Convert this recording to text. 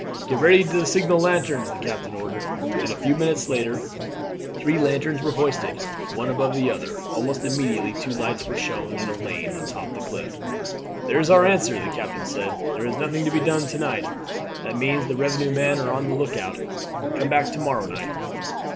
"Get ready the signal lanterns," the captain ordered. And a few minutes later three lanterns were hoisted, one above the other. Almost immediately two lights were shown in a line on top of the cliff. "There is our answer," the captain said. "There is nothing to be done to night. That means 'The revenue men are on the look out; come back to morrow night."'